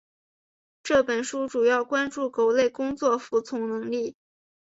这本书主要关注狗类工作服从能力。